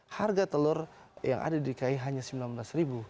harga telur yang ada di dki hanya sembilan belas ribu